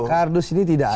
kardus ini tidak ada